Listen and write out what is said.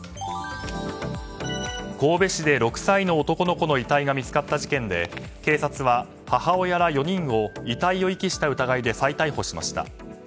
神戸市で６歳の男の子の遺体が見つかった事件で警察は、母親ら４人を遺体を遺棄した疑いで再逮捕しました。